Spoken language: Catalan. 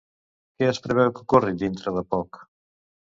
Què es preveu que ocorri dintre de poc?